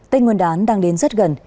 tên nguồn đán đang đến rất gần